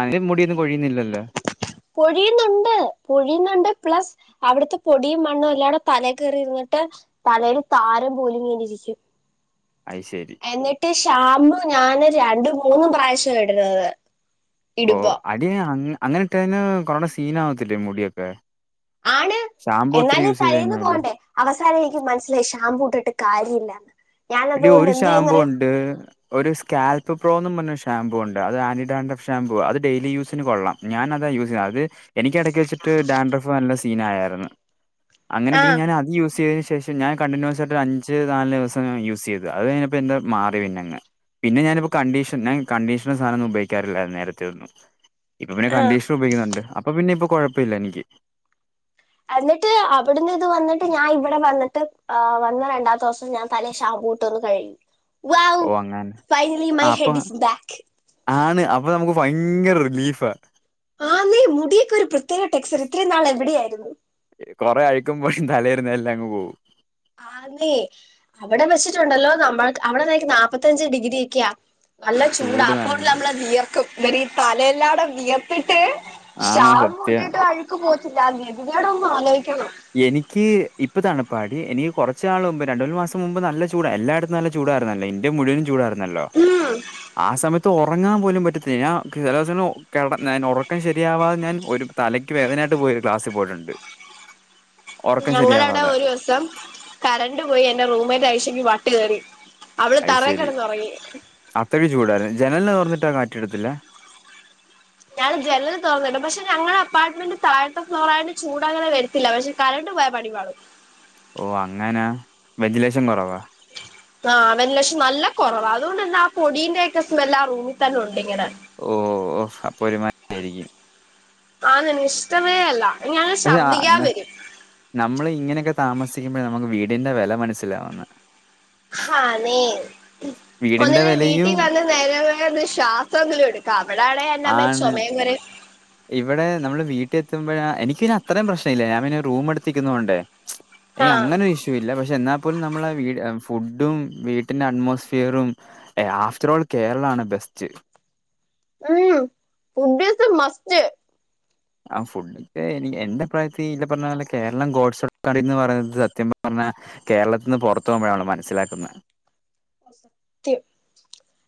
അന്റെ മുടിയൊന്നും കൊഴിയുന്നില്ലല്ലോ പൊഴിയുന്നുണ്ട് പൊഴിയുന്നുണ്ട് പ്ലസ് അവിടുത്തെ പൊടിയും മണ്ണും എല്ലാടെ തല കേറി ഇരുന്നിട്ട് തലേല് താര [unintelligible] പോലിങ്ങിരിക്കു അത് ശരി എന്നിട്ട് ഷാംമ്പു ഞാന് രണ്ടും മൂന്നും പ്രാവശ്യാ ഇടുന്നത് ഓ ഇടുമ്പോ അടി അങ്ങനെ ഇട്ട് കഴിഞ്ഞാ [unintelligible] സീന ആവത്തില്ലേ മുടിയൊക്കെ? ആണ് ഷാമ്പൂ ഒത്തിരി എന്നാല് യൂസ് ചെയ്ത് തലേന്ന് കഴിഞ്ഞാല് പോണ്ടേ അവസാനം എനിക്ക് മനസ്സിലായി ഷാംമ്പൂട്ട്ട്ട് കാര് ര്യല്ല ഇടി ഒരു ഷാമ്പൂ ഉണ്ട് ഒരു സ്കാൽപ് പ്രോന്നും പറേഷ ഷാമ്പൂ ഉണ്ട് അത് ആന്റിഡാൻഡ്ഷ ഷാംമ്പൂ അത് ഡെയിലി യൂസിന് കൊള്ളാം ഞാനതാണ് യൂസ് ചെയ്യുന്നത് അത് എനിക്കിടയ്ക്ക് വച്ചിട്ട് ഡാൻഡ്രഫ് നല്ല സീന ആയാരുന്നു അങ്ങനെ പിന്നെ ആഹ് ഞാൻ അത് യൂസ് ചെയ്ത ശേഷം ഞാൻ കണ്ടിന്യൂസ് ആയിട്ട് അഞ്ച് നാല് ദിവസം യൂസ് ചെയ്തു അത് കഴിപ്പോ എന്താ മാറി പിന്നങ്. പിന്നെ ഞാനിപ്പോ കണ്ടീഷൻ ഞാൻ കണ്ടീഷനും സാധനൊന്നും ഉപോഗിക്കാറില്ല നേരത്തെ ഒന്നും ഇപ്പൊ പിന്നെ ആഹ് കണ്ടീഷണർ ഉപയോഗിക്കുന്നുണ്ട് അപ്പൊ പിന്നെ ഇപ്പൊ കൊഴപ്പല്ല എനിക്ക് എന്നിട്ട് അവിടുന്ന് ഇത് വന്നിട്ട് ഞാൻ ഇവിടെ വന്നിട്ട്‌വന്ന രണ്ടാമത്തെ ദിവസം ഞാൻ തലേ ഷാബൂട്ടൊന്ന് കഴ്‌കി വൗ ഓ അങ്ങനെ ഫൈനലി ആ മൈ അപ്പൊ ഹെഡ് ഇസ് ബാക്ക് ആണ് അപ്പൊ നമുക്ക് ഭയങ്കര റിലീഫാ. ആ ന്നേ മുടിയൊക്കെ ഒരു പ്രത്യേക ടെക്സ്ച്ചർ ഇത്രയും നാൾ എവിടെ ആര്ന്നു. കൊറെ അഴിക്കുമ്പോഴേ തലയിരുന്ന എല്ലാം അങ്ങ് പോകും ആ ന്നേ അവിടെ വെച്ചിട്ടുണ്ടല്ലോ നമ്മൾ അവിടെന്നക്ക് നാല്പ്പത്തയഞ്ച് ഡിഗ്രി ഒക്ക്യ നല്ല ചൂടാ ചൂട് അപ്പണ്ട് നല്ല നമ്മള വിയർക്കും വറ ഈ തലയില്ലാടെ വിയ ട്ട് ആണോ ഷാംമ്പു സത്യം ട്ട് ട്ട് അഴുക്ക് പോകത്തില്ല ആ ഗതികേടൊന്ന് ആലോയിക്കണം എനിക്ക് ഇപ്പ തണുപ്പാടി എനിക്ക് കുറച്ചാൾ മുമ്പ് രണ്ട് മൂന്ന് മാസം മുമ്പ് നല്ല ചൂട എല്ലായിടത്തും നല്ല ചൂട ടാര്ന്നല്ലോ ഇന്ത്യ മുഴുവൻ ചൂടായിരുന്നല്ലോ ഉം ആ സമയത്ത്. ഉറങ്ങാൻ പോലും പറ്റത്തില്ല ഞാൻ ഞാൻ ഉറക്കം ശരിയാവാതെ ഞാൻ ഒരു തലയ്ക്ക് വേദനയട്ട് ഒരു ക്ലാസ്സ് പോയിട്ടുണ്ട്. ഉറക്കം ഞങ്ങള അവിടെ ശരിയാവാതെ ഒരു ദിവസം കരണ്ട് പോയി എന്റെ റൂംമേറ്റ് ആയിശക്ക് വട്ട് കേറി അത് ശെരി അത്രക്ക് ചൂടായിരുന്നു ജനല് തൊർന്ന് ട്ടാ കാറ്റെടുത്തില്ല ഞാൻ ജനല് തൊർന്നിടും പക്ഷെ ഞങ്ങളുടെ അപ്പാർട്ട്മെന്റ് താഴത്തെ ഫ്ലോറ ആയോണ്ട് ചൂടങ്ങനെ വരത്തില്ല പക്ഷെ കര ണ്ട് പോയ പണിപാളും. ഓ അങ്ങനാ വെന്റിലേഷൻ കുറവാ ആ അവൻ ലക്ഷം നല്ല കൊറവ അതോണ്ട് ന്ന് ആ പൊടീന്റൊക്കെ സ്മെല്ല് ആ റൂമിൽ തന്നെണ്ട് ഇങ്ങനെ ഓഓ ഓ അപ്പൊ ഒരുമാതിരി യായിരിക്കും. ആ ന്ന് ഇഷ്ടമേ അല്ല ഇനി പക്ഷെ ആ ശർദ്ദിക്കാ വെരും താമസിക്കുമ്പോഴ നമുക്ക് വീടിന്റെ വെല മനസ്സിലാവുന്നെ [inaudible] വീടിന്റെ ഒന്നില്ലേ വിലയും വീട്ടിൽ വന്ന് നേരെ ഒന്ന് ശ്വാസെങ്കിലും എടുക്കാം അവിടാണെ എൻ്റമ്മേ ആണ് ചൊമേം കൊരേം ഇവിടെ നമ്മള് വീട്ടില എത്തുമ്പോഴ എനക്ക് അത്രയും പ്രശ്നല്ല ഞാൻ പിന്നെ റൂം എടുത്തിക്കുന്നോണ്ട്. ആഹ് അങ്ങനൊ ഇഷ്യൂ ഇല്ല പക്ഷെ എന്നാ പോലും നമ്മള വീട് ഫുഡും വീട്ടിന്റെ അറ്റ്മോസ്ഫിയറും ആഫ്റ്റർ ഓൾ കേരളാണ് ബെസ്റ്റ് [inaudible] ഉം ഫുഡീ മസ്റ്റ് ആ ഫുഡെനി എന്റെ പ്രായത്തി ഇ പറഞ്ഞോലെ കേരളം ഗോഡ്സ് കറി എന്ന് പറയുന്നത് സത്യം പറഞ്ഞ കേരളത്തി നിന്ന് പൊറത്ത് പോകുമ്പോഴ മനസ്സിലാക്കുന്നത്. ത്യം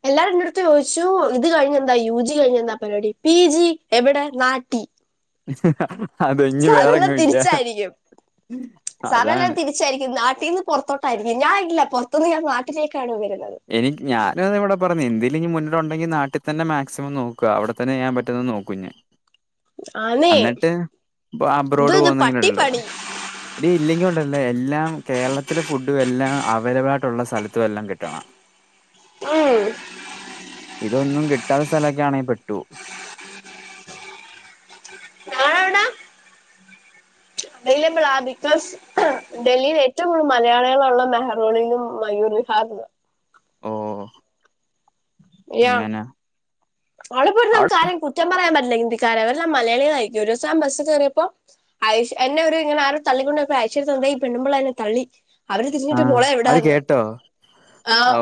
എല്ലാറ്റിൻ്റെടുത്ത് ചോദിച്ചു ഇത് കഴിഞ്ഞ എന്താ യു ജി കഴിഞ്ഞ എന്താ പരിപാടി പി ജി എവിടെ നാട്ടി [inaudible] സാധാരണ വേറെങ്ങും ഇല്ല തിരിച്ചായിരിക്കും സാധാരണ അതാണ് തിരിച്ചായിരിക്കും നാ ട്ടീന്ന് പുറത്തോട്ടായിരിക്കും ഞാൻ ഇല്ല പുറത്തുന്ന് ഞാൻ നാട്ടിലേക്കാണ് വരു ഇനി ഞാന് ഇവിടെ പ എന്തേലും ഇഞ്ഞി മുന്നിലുണ്ടെങ്കി നാട്ടിതന്നെ മാക്സിമം നോക്ക അവിടെ തന്നെ ഞാൻ പറ്റുന്നന്ന് നോക്കു ഞ് ആന്നേ അന്നിട്ട് ഇപ്പൊ എന്തോ അബ്രോഡ് ഇത് പോകുന്നെങ്കിലുംള്ള പട്ടിപ്പണി ഡി ഇല്ലെങ്കി ഉണ്ടല്ലേ എല്ലാം കേരളത്തിലെ ഫുഡും എല്ലാം അവൈലബിൾ ആയിട്ടുള്ള സ്ഥലത്തുവല്ലം കിട്ടണം. ആഹ് ഇതൊന്നും കിട്ടാത്ത സ്ഥലൊക്കാണെ പെട്ടു ഞാനവിടെ അവൈലബിളാ ബിക്കോസ് ഡൽഹിയിൽ ഏറ്റവും കൂടുതൽ മലയാളികളുള്ള മെഹ്റോണിലും മയൂർ [unintelligible] ഓ യാ അങ്ങനെ അവിടെപ്പോയിരുന്ന് അവിടെ നമുക്ക് ആാരും കുറ്റം പറയാൻ പറ്റ ല്ല ഹിന്ദിക്കാര് അവരെല്ലാം മലയാളികൾ ആയിരിക്കും ഒരു ദിവസം ഞാൻ ബസ് കയറിയപ്പോ അയ്‌ഷ് എന്നെ ഇങ്ങനെ ആരോ തള്ളി കൊണ്ടിരുന്നപ്പൊ [unintelligible] ഈ പെണ്ണുമ്പിള്ളെ എന്നെ തള്ളി. അവര് ആ തിരിഞ്ഞിട്ട് മോളെ അവര് എവിടന്ന് കേട്ടോ ആ ഓ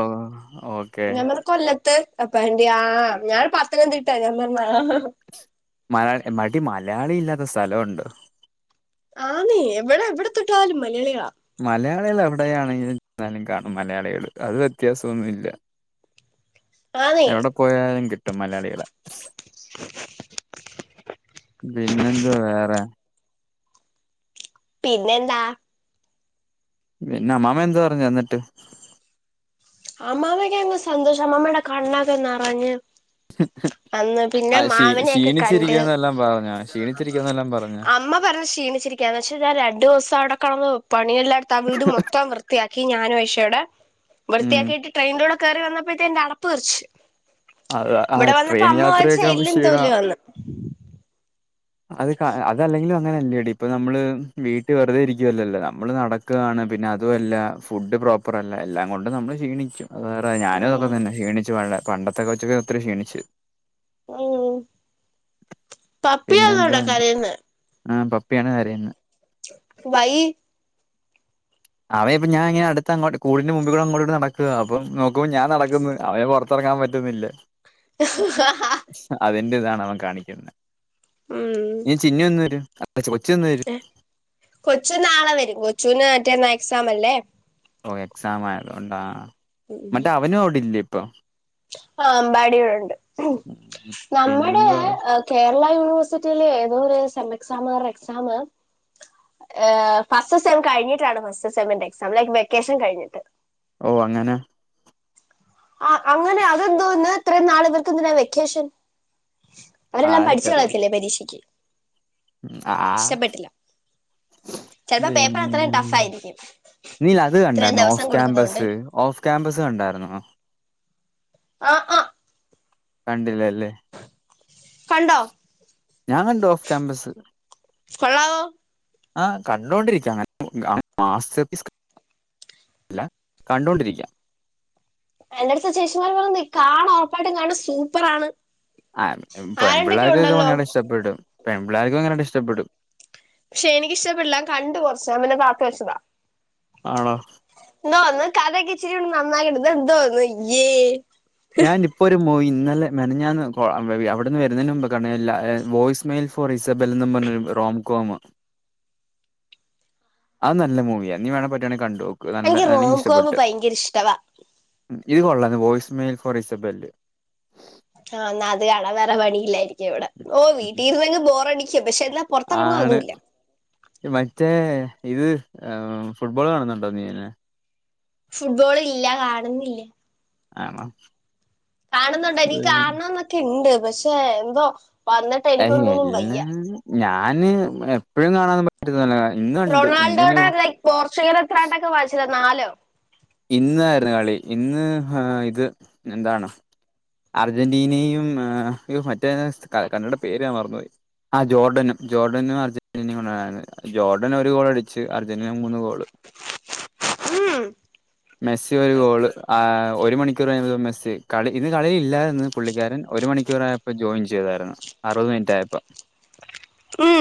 ഓക്കെ ഞാൻ പറഞ്ഞു കൊല്ല ത്ത് [unintelligible] ആ ഞാൻ പത്തനന്തിട്ടാ ഞാൻ പറഞ്ഞ മല മടി മലയാളി ഇല്ലാത്ത സ്ഥലോണ്ടോ? ആ നേ എവിടെ എവിടെ തൊട്ടാലും മലയാളികളാ മലയാളികൾ എവിടെയാണെങ്കിലും കാണും മലയാളികൾ അത് വ്യത്യാസൊന്നുല്ല ആന്നേ എവിടെ പോയാലും കിട്ടും മലയാളികളെ പിന്നെന്തുവ വേറെ? പിന്നെന്താ പിന്നെ അമ്മാമ്മ എന്തു പറഞ്ഞു എന്നിട്ട് അമ്മാമക്കങ്ങ് സന്തോഷം അമ്മാമ്മടെ കണ്ണൊക്കെ നിറഞ് ആ ക്ഷീ കണ്ട് ക്ഷീണിച്ചിരിക്കന്നെല്ലാം പറഞ്ഞാ ക്ഷീണിച്ചിരിക്കന്നെല്ലാം പറഞ്ഞാ അമ്മ പറ ക്ഷീണിചിരിക്കാന്ന് ക്ഷേ ഞാ രണ്ട് ദിവസം അവിടെ കടന്ന് പണി എല്ലായിടത്ത് ആ വീട് മൊത്തം വൃത്തിയാക്കി ഞാനും ആയിശോടെ ഉം വൃത്തിയാക്കിയിട്ട് ട്രെയിനിലൂടെ കേറി വന്നപ്പോഴത്തെ എന്റെ അടപ്പ് തെറിച്ചു അ ആ ട്രെയിൻ യാത്രയൊക്കെ എല്ലും തോലും [unintelligible] വന്ന് അത് ക അതല്ലെങ്കിലിൽ അ അങ്ങനല്ലേടി ഇപ്പ നമ്മള് വീട്ട് വെറുതെ ഇരിക്കുവല്ലല്ലോ നമ്മള് നടക്കാണ് പിന്നെ അതുവല്ല ഫുഡ് പ്രോപ്പറ് അല്ല എല്ലാം കൊണ്ട് നമ്മൾ ക്ഷീണിക്കും വേറെ ഞാനും തൊക്കെ ഉം തന്നെ ക്ഷണിച്ചു പ പണ്ടത്തെ കൊച്ചൊക്കെ ഒത്തിരി ക്ഷീണിച്ചു. ഉം പപ്പിയന്നോട കരയിന്നെ ആഹ് പപ്പിയാണ് കരയ്ന്നെ. ഭായി അവയ ഇപ്പ ഞാൻങ്ങനെ അടുത്തോ അങ്ങോട്ട് കൂടിന്റെ മുമ്പികൂടെങ്ങോട്ട നടക്ക അപ്പൊ നോക്കുമ്പോ ഞാ നടക്കുന്നു അവയെ പുറ ക്കാൻ പറ്റുന്നില്ല ആഹ് ൻ്റെതാണ് അവൻ കാണിക്കുന്നെ ഇ ചിന്നുവെന്ന് വരു ഏഹ് കൊച്ചു നാളെ വരും കൊച്ചുന് മറ്റേന്നാ എക്സാം അല്ലേ ഓ എക്സാം ആയതോണ്ടാ മറ്റേ അവനും അവിടില്ലേ ഇപ്പൊ? ആ അമ്പാടിവ്ടണ്ട് ഉം. നമ്മുടെ പിന്നെന്താ കേ രളാ യൂണിവേഴ്സിറ്റിയില് ഏതോ ഒരു സെം എക്സാമ് പറഞ്ഞ എക്സാം ഏഹ് ഫസ്റ്റ് സെം കഴിഞ്ഞിട്ടാണ് ഫസ്റ്റ് സെമിന്റെ എക്സാം ലൈക് വെക്കേഷൻ കഴിഞ്ഞിട്ട് ഓ അങ്ങനെ ആഹ് അങ്ങനെ അതെന്തോന്ന് ഇത്ര നാള് ഇവർക്ക് എന്തിനാ വെക്കേഷൻ. അവരെല്ലാം പഠിച്ചു കളയത്തില്ലേ പരീക്ഷയ്ക്ക് ആഹ് ഇഷ്ടപ്പെട്ടില്ല ചിലപ്പോ പേപ്പർ അത്രയും പിന്നെ ടഫ് ആയിരിക്കും നീ അത് ഇത്രയും കണ്ടാരുന്നു ദിവസം ഓഫ് കൊടുക്കുന്നോണ്ട് ക്യാമ്പസ് ഓഫ് ക്യാമ്പസ് കണ്ട- കണ്ടായിന്നു - ആഹ ആഹ കണ്ടില്ലാരുന്നു കണ്ടോ ഞാൻ കണ്ട് ഓഫ് ക്യാമ്പസ് കൊള്ളാവോ ആഹ് കണ്ടോണ്ടിരിക്കാം അങ്ങനെ മാസ്റ്റസ്- ല്ല കണ്ടൊണ്ടിരിക്കാം- എന്റെടുത്ത് ചേച്ചിമാര് പറഞ്ഞ്നീ കാണ ഒറപ്പായിട്ടും കാണും സൂപ്പർ ആണ്- ആഹ് പെൺപിള്ളേർക്കൊക്കെ ഭയങ്കരാട്ട് ഇഷ്ടപ്പെടും പെൺപിള്ളേർക്ക് ഭയരട്ട് ഇഷ്ടപ്പെടും- പക്ഷെ എനിക്കിഷ്ടപ്പെടില്ല കണ്ടു കുറച്ച് ൻ പിന്നെ താത്തു വെച്ചതാ- ആണോ- നോന്ന് കാഥകിച്ചിറി ഉ നന്നായി ത് എന്തോന്ന് യ്യേ- ഞാനിപ്പോ ഒരു മോയിൻ- ഇന്നലെ മെനഞ്ഞാന്ന് അവിടുന്ന് വരുന്നന് മുമ്പ് കാണ വോയിസ് മെയിൽ ഫോർ ഇസബിൽന്ന് പറഞ്ഞൊര് പടം- ഹംങ്കോമ അത് നല്ല മൂവിയ നീ വേണേ പറ്റ്വാണെക്കാണ്- നോക്ക് എനിക്ക് നല്ല റോംകോം ഇഷ്ടപ്പെട്ട് ഭയങ്കര ഇഷ്ടവാ ഇത് കൊള്ള വോയിസ് മെയിൽ ഫോർ ഇസബല് ആഹ് എന്നാ അത് കാണാ വേറെ പണിയില്ലായിരിക്കാ ഇവിടെ ഓ വീട്ടിരുന്നങ്ങ്ബോറടി- ആണ് മറ്റേ- ഇത് ആഹ് ഫുട്ബോൾ കാണുന്നുണ്ടോ നീ പിന്നെ - ഫുട്ബോൾ ഇല്ല കാണുന്നില്ലേ- ആണോ - കാണുന്നൊണ്ടോ എനിക്ക് കാണണംന്നൊക്കെ ഇണ്ട് പക്ഷെ എന്തോ- വന്നിട്ട് അയ്ന് എനിക്കൊന്നിനും എല്ലാ വയ്യ ഞാന് എപ്പഴും കാണാന്നും പറ്റുന്നല്ല- റൊണാൾഡോയുടെ ലൈക് പോർച്ചുഗൽ എത്രാണ്ടൊക്കെ വാങ്ങിച്ചല്ലോ നാലോ- ഇന്നാര്ന്ന് കളി ഇന്ന്ആഹ് ഇത് എന്താണ്- അർജന്റീനയുംആഹ് മറ്റേ സ് കണ്ടെ പേര് മറന്ന് പോയ് ആഹ് ജോർഡനും ജോർഡനും അർജന്റീനയും കൊണ്ടാണ് ജോർഡൻ ഒരു ഗോൾ അടിച്ച് അർജന്- അങ്ങനെ മൂന്ന് ഗോള്- ഉം മെസ്സി ഒരു ഗോള് ആഹ് ഒരു മണിക്- കൂറ്കഴിഞ്ഞപ്പം മെസ്സി കളി ഇന്ന്കളിയില്ലായിര്ന്നുപുള്ളിക്കാരൻ ഒരു മണിക്കൂറായപ്പം ജോയിൻ ചെയ്തായിരുന്നു അറുപത് മി എന്തായപ്പാ ഉം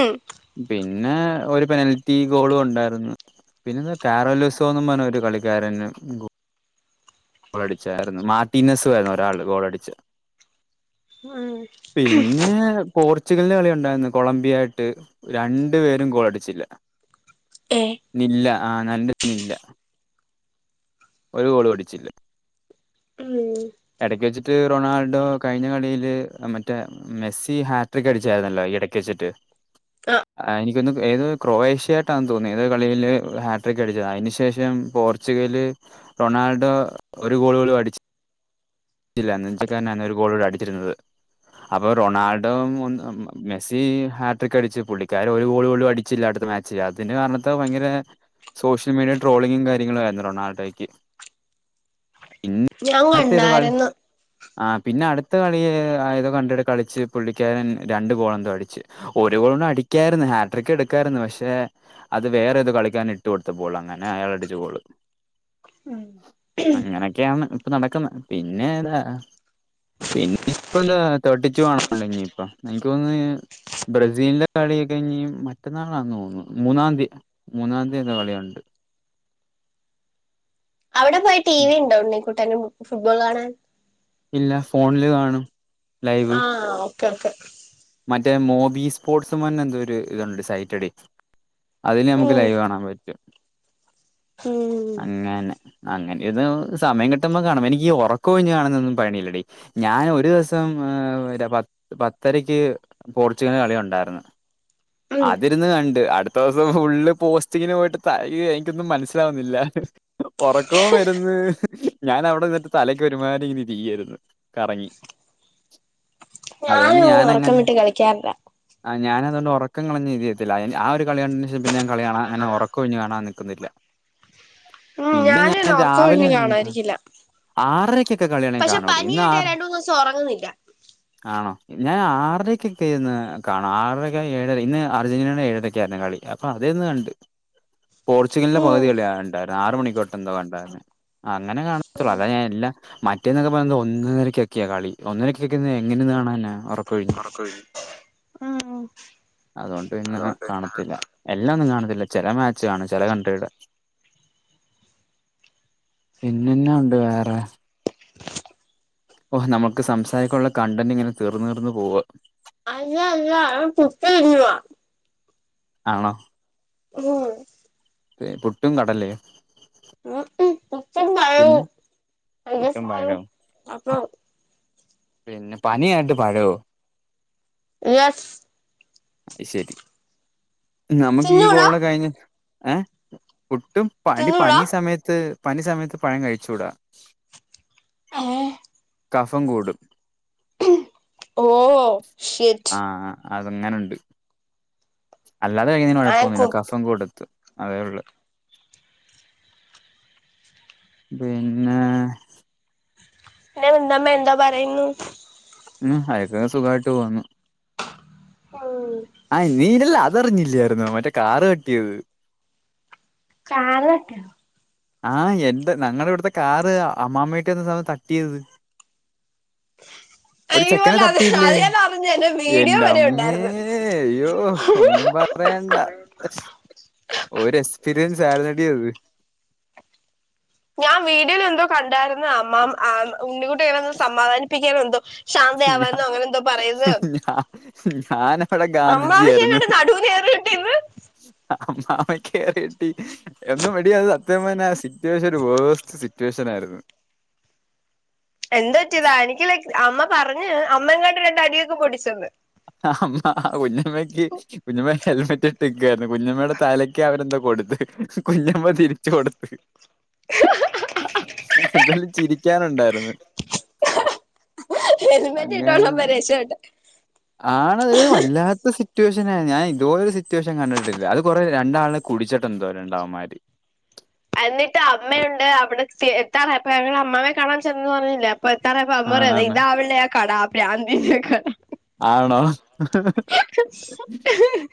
പിന്നെ ഒരു പെനൽറ്റി ഗോളും ഒണ്ടാരുന്നു, പിന്നെ കാരോലിസോംന്ന് പറഞ്ഞൊരു കളി കാരനോ ഗോ ളടിച്ചാരുന്നു. മാർട്ടീനസുയിരുന്നു ഒരാള് ഗോളടിച്ചേ. ഉം പിന്നെ പോർ ച്ചുഗലിന്റെ കളി ഒണ്ടായിരുന്നു കൊളംബിയയായിട്ട്. രണ്ടു പേരും ഗോളടിച്ചില്ല. ഏ നില്ല ആഹ് നല്ലനില്ല. ഒരു ഗോളും അടിച്ചില്ല. ഉം എടക്ക് വെച്ചിട്ട് റൊണാൾഡോ കഴിഞ്ഞ കളിയില് മറ്റേ മെസ്സി ഹാട്രിക് അടിച്ചായിരുന്നല്ലോ? ഇടക്ക് വെച്ചിട്ട് ആ [unintelligible] പിന്നെ ഏതോ ഒരു ക്രൊയേഷ്യായിട്ടാന്ന് തോന്നുന്നു ഏതോ കളിയില് ഹാട്രിക് അടിച്ചത്. അതിന്ശേഷം പോർച്ചുഗല് റൊണാൾഡോ ഒരു ഗോള് പോലും അടിച്ചി ച്ചില്ല. നെഞ്ചക്കാരനാണ് ഒരു ഗോളൂടെ അടിച്ചിരുന്നത്. അപ്പൊ റൊണാൾഡോ ഒന്ന് [unintelligible] മെസ്സി ഹാട്രിക്ക് അടിച്ച് പുള്ളിക്കാരൻ ഒരു ഗോളും പോലും അടിച്ചില്ല. അടുത് മാച്ച് അതിന് കാരണ ഭയങ്കര സോഷ്യൽ മീഡിയൽ ട്രോളിങ്ങും കാര്യങ്ങളും ആായിരുന്നു റൊണാൾഡോയ്ക്ക് പിന്നെ ഞാൻ അഴത്ത ഏതൊക്കാള് കണ്ടായിരുന്നു ആ പിന്നെ അടുത്ത കളിയ ആയത് കണ്ടിട്ട കളിച്ച് പുള്ളിക്കാരൻ രണ്ടു ഗോളെന്തോ അടിിച്ചച്ച് ഒരുപോ അടിക്കായിരുന്നു ഹാട്രിക്ക് എടുക്കായിരുന്നു പക്ഷെ അത് വേറെത് കളിക്കാൻ ഇട്ട് കൊടുത്ത പോോൾ അങ്ങനെ അ അങ്ങനൊക്കെയാണ് ഇപ്പ നടക്കുന്നത്ന്ന പിന്നെ താ പിന്നെ ഇപ്പ എന്താ തേർട്ടി കാണല്ലോ ഇനി ഇപ്പ എനിക്ക് തോന്ന് ബ്രസീലിന്റെ കളി കഴഞ്ഞ മറ്റന്നാളാന്ന് തോന്നുന്നു മൂന്നാം തീയതി മൂന്നാം തീയതിയുടെ കളിയുണ്ട് [unintelligible] അവിടെ പോയി ടി വി ഉണ്ടോണിക്കൂട്ടാരും ഫുട്ബോൾ കാണാൻ ഇല്ല ഫോണില് കാണും ആഹ ഒഓക്കെ ക്കെ ന്റെ മോബി സ്പോർട്സുംന്നെ എന്തോ ഒരു ഇത്ണ്ട്ക്സൈറ്റഡ അതിന് നമുക്ക് ഉം ലൈവ് കാണാൻ പറ്റും ഉം അങ്ങനെ അങ്ങനെ ഇന്ന് സമയം കിട്ടുമ്പോ കാണ്പ എനിക്ക് ഉറക്ക കഴിഞ്ഞു കാണുന്നൊന്നും പഴണില്ലടേ ഞാൻ ഒരു ദിവസം പത്തര പോർച്ചുഗൽ കളി ഉണ്ടായിരുന്നു ഉം അതിന്ന് കണ്ട് അടു ദിവസം ഫുള് പോസ്റ്റിങ്ങിന് പോയിട്ട് ത എനിക്കൊന്നും മനസ്സിലാവുന്നില്ല ഉറക്കവും വന്ന് ഞാൻ അവിടെിട്ട് തലക്ക് വരുമാനം ഇങ്ങനനി ചെയീായിന്ന് കറങ്ങി ഞാനും ന ഉറക്കം വിിട്ട് കളിക്കാറില്ല ആ ഞാന അതൊണ്ട് ഉറക്കം കഞ്ഞഴതിത്തില്ല ആ ഒരു കളിയണ്ടന് ശം പിന്ന ാ കളിയാണ് അങ്ങെ ഉറക്കംഴിഞ്ഞ കാണാൻ ഉം പിന്നെ ഞാനും ഞാൻ ഉറക്കം രാവിലെ ഒഴിഞ്ഞ് ഉണ്ടെങ്കി കാണാം കാണാതിരിക്കില്ല ആറരക്കൊക്കെ കളിയണെങ്കിൽ പക്ഷെ കാണൂടി ഇന്ന് പനിയായിട്ട് ഞാൻ ആറ് രണ്ട് മൂന്ന് ദിവസം ഉറങ്ങുന്നില്ല ആണോ ഞാൻ ആറരയ്ക്കൊക്കെന്ന് കാണാം ആറരക്കെ ഏഴര ഇന്ന് അർജന്റീനയുടെ ഏഴരൊക്കെ ആയിരുന്നു കളി അപ്പൊ അത കണ്ട് പോർച്ചുഗലിന്റെ ഉം പകുതികള ഉണ്ടായിരുന്നു ആറ മണിക്കോട്ട എന്തോ ഉണ്ടായിരുന്നു അങ്ങനെ കാണത്തുള്ള ഉം അത ഞാൻ എല്ലാ മറ്റേന്നൊക്കെ പറയത് ഒന്നരക്കൊക്കെയാ കളി ഒന്നരക്കൊക്കെ എങ്ങനെയന്ന് കാണന്ന ക്ക ആ അതുകൊണ്ട് ഇന്ന്െ കാണത്തില്ല എല്ലാം ഒന്നും കാണത്തില്ല ചില മാച്ച് കാണും ചില കൺട്രിയുടെ പിന്നന്നെ ഉണ്ട് വേറെ [unintelligible] ഓ് നമ്മുക്ക് സംസാരിക്കാനുള്ള കണ്ടന്റ് ഇങ്ങനെ തീർന്നു തീർന്നു പോവ അല്ല അല്ല കുത്ത വന്നുവ ആണോ ആഹ പുട്ടും കടല്ലേ ഉപ്പണ്ടായും പസ പുട്ടും പഴവും അപ്പ പിന്നെ പനിയായിട്ട് പഴോ [unintelligible] അത് ശരി [unintelligible] നമുക്ക് ഈ തിന്നൂടാ ഗോളഡ കഴിഞ്ഞ ഏ ഒട്ടും പണ്ടി തിന്നൂടാ പനി സമയത്ത് പനി സമയത്ത് പഴം കഴിച്ചൂടാ ആഏഹ കഫം കൂടും ഓ ശറ്റ് അതങ്ങനെയുണ്ട് അല്ലാതെ കൈുന്നേന് ഐ ആം കുഴപ്പൊന്നില്ല കുക്ക്ഡ് കസം കൊ കൊടുത്ത് അതേള്ള പിന്നെ ന്നെ മ്മ മ്മ എന്താ പറയുന്നു ഉ ഐസേ സുഖമായിട്ട് പോന്നു ഉം ആ നീര്ല്ല അതറിഞ്ഞില്ലായിര്ന്നൊ മറ്റേ കാറട്ടിയത് കാാലട്ട ആഹ് എൻ്റെ ഞങ്ങളുടെ ഇവിടുത്തെ കാറ് അമ്മാമയ്ട്ട് [unintelligible] തട്ടിയത് ഒരു അയ്യോ ചെക്കനെ അല്ല അത് തട്ടിയില്ലേ അത് ഞാൻ അറിഞ്ഞേന്റെ വീഡിയോ വരെ എന്റെമ്മേ ഉണ്ടായിരുന്നു അയ്യോ ഒന്നും പ പറയണ്ട ഒരു എക്സ്പീരിയൻസ് ആയിരുന്നെടീയത് ഞാൻ വീഡിയോലെന്തോ കണ്ടാരുന്നു. അമ്മാമ ആഹ് ഉണ്ണികുട്ടൻ ഇങ്ങനൊന്നു സമാധാനിപ്പിക്കാനൊ എന്തോ ഞ ശാന്തയാവാനോ അങ്ങനെ എന്തോ പറയുന്നത് ഞാ ഞാനവിടെ അമ്മാമ്മക്ക് ഗാന്ധിജിയാരുന്നു എങ്ങാണ്ട് നടുവിന് ഏറ് കിട്ടിയെന്ന് ആ കേറി എന്നും മടി യത് സത്യം പറഞാ ആ സിറ്റുവേഷൻ ഒരു വേർസ്റ്റ് സിറ്റുവേഷൻ ആയിരുന്നു എന്തറ്റിയതാ എനിക്ക് ലൈക് അമ്മ പറഞ്ഞ് അമ്മയുംങ്ങാട്ട് രണ്ട അടിയൊക്കെ പൊടിച്ചന്ന് ആ അമ്മ ആ കുഞ്ഞമ്മയ്ക്ക് കുഞ്ഞമ്മക്ക് ഹെൽമറ്റ് ഇട്ട് ഇക്കുവായിരുന്നു കുഞ്ഞമ്മയുടെ തലക്ക് അവരെന്തോ കൊടുത്ത് കുഞ്ഞമ്മ തിരിച്ചു കൊടുത്ത് ചിരിക്കാനുണ്ടാര്ന്ന് ഹെൽമെറ്റ് ഇട്ടോണ്ട പ്പൊ രശപ്പെട്ടെ ആണ് വല്ലാത്ത സിറ്റുവേഷനാ ഞാൻ ഇത് പോലൊരു സിറ്റുവേഷൻ കണ്ടിട്ടില്ല അത് കൊറേ രണ്ടാൾനെ കുടിച്ചട്ട് എന്തോ രണ്ടവന്മാര് എന്നിട്ട് അമ്മയുണ്ട് അവിടെത്തി എത്താറയപ്പൊ ഞങ്ങ അമ്മാവെ കാണാൻ ചെന്നെന്ന് പറഞ്ഞില്ല പത്തറ പ അമ്മറ ആണാണ് ഇതാവല്ലെ ആ കട പ്രാന്തി കട ആണോ കട